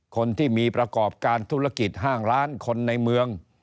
คนที่มีประกอบการธุรกิจห้างร้านคนในเมือง